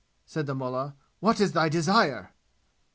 said the mullah. "What is thy desire?"